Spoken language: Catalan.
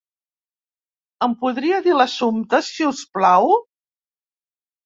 Em podria dir l'assumpte, si us plau?